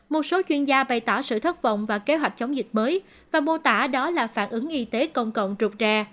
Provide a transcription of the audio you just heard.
một số chuyên gia bày tỏ sự thất vọng và kế hoạch chống dịch mới và mô tả đó là phản ứng y tế công cộng trục trè